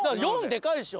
でかいでしょ！